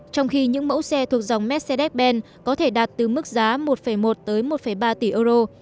trong khi những mẫu xe thuộc dòng mercedes ben có thể đạt từ mức giá một một tới một ba tỷ euro